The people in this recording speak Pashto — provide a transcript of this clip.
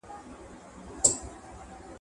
د ټولنې افراد باید د همیشني بدلونونو لپاره وي.